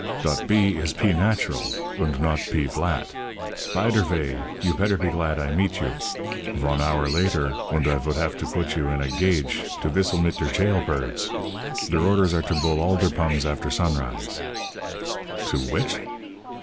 "Dot p is p natural, und not p vlat. Py der vay, you petter pe glad I meet you. Von hour later, und I vould half to put you in a gage to vistle mit der chail pirds. Der orders are to bull all der pums after sunrise." "To which?"